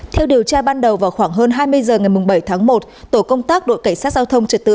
theo điều tra ban đầu vào khoảng hơn hai mươi h ngày bảy tháng một tổ công tác đội cảnh sát giao thông trật tự